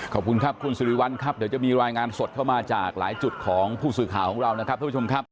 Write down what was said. ขอบคุณครับคุณสิริวัลครับเดี๋ยวจะมีรายงานสดเข้ามาจากหลายจุดของผู้สื่อข่าวของเรานะครับท่านผู้ชมครับ